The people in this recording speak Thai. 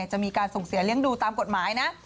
จะมีการส่งเสียเลี้ยงดูตามกฎหมายนะ